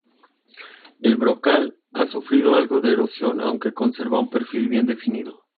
El brocal ha sufrido algo de erosión, aunque conserva un perfil bien definido.